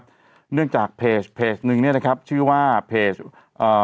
ขึ้นนะครับเนื่องจากเพจเพจหนึ่งเนี่ยนะครับชื่อว่าเพจอ่า